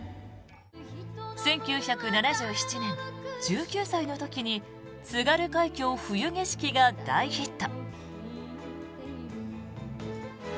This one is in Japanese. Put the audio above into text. １９７７年、１９歳の時に「津軽海峡・冬景色」が大ヒット。